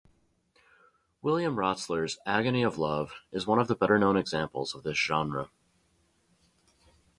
William Rotsler's "Agony of Love" is one of the better-known examples of this genre.